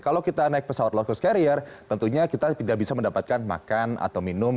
kalau kita naik pesawat low cost carrier tentunya kita tidak bisa mendapatkan makan atau minum